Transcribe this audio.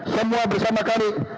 semua bersama kami